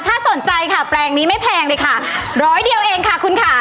ถ้าสนใจค่ะแปลงนี้ไม่แพงเลยค่ะร้อยเดียวเองค่ะคุณค่ะ